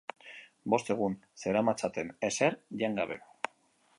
Bost egun zeramatzaten ezer jan gabe.